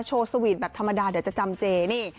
สวีทแบบธรรมดาเดี๋ยวจะจำเจนี่